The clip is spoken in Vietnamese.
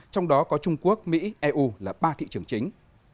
trong đó có trung quốc mỹ eu là ba thị trường chính